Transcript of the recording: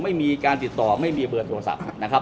ไม่มีการติดต่อไม่มีเบอร์โทรศัพท์นะครับ